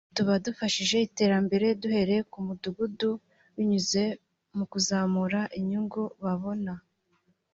tuba dufashije iterambere duhereye ku mudugudu binyuze mu kuzamura inyungu babona